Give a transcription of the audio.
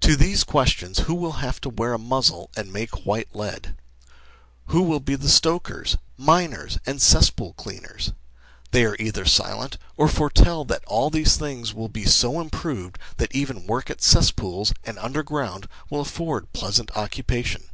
To the questions, who will have to wear a muzzle and make white lead ? who will be stokers ? miners ? and cesspool cleaners ? they 4 50 THE SLAVERY OF OUR TIMES are either silent, or foretell that all these things will be so improved that even work at cess pools, and underground, will afford pleasant occupation.